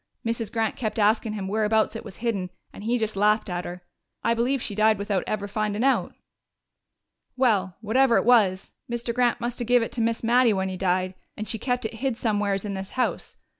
Mrs. Grant kept askin' him whereabouts it was hidden, and he just laughed at her. I believe she died without ever findin' out.... "Well, whatever it was, Mr. Grant must have give it to Miss Mattie when he died, and she kept it hid somewheres in this house.